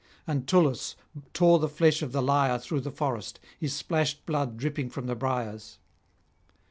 and Tullus tore the flesh of the liar through the forest, his splashed blood dripping from the briars.